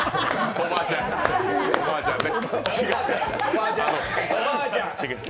おばあちゃんね。